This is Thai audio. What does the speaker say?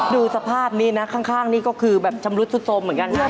ดูสภาพนี้นะข้างนี่ก็คือแบบชำรุดสุดสมเหมือนกันนะ